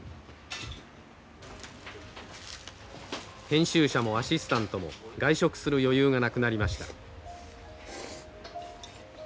編集者もアシスタントも外食する余裕がなくなりました。